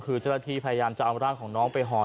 คือเจ้าหน้าที่พยายามจะเอาร่างของน้องไปห่อ